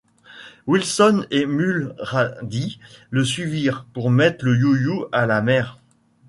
Wilson et Mulrady le suivirent pour mettre le you-you à la mer.